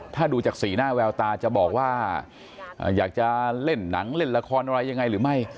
ถ้าดูจากสีหน้าแววตาจะบอกว่าอยากจะเล่นหนังเล่นละครอะไรยังไงหรือไม่